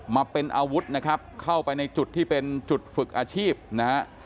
มาเป็นอาวุธนะครับเข้าไปในจุดที่เป็นจุดฝึกอาชีพนะฮะ